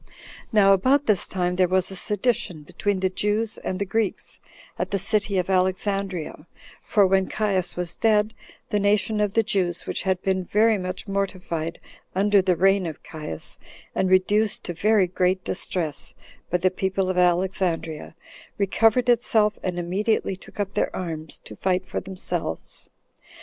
2. Now about this time there was a sedition between the Jews and the Greeks, at the city of Alexandria; for when Caius was dead, the nation of the Jews, which had been very much mortified under the reign of Caius, and reduced to very great distress by the people of Alexandria, recovered itself, and immediately took up their arms to fight for themselves.